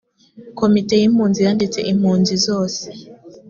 komite y’impunzi yanditse impunzi zose